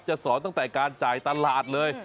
สอนตั้งแต่การจ่ายตลาดเลย